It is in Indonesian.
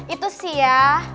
itu sih ya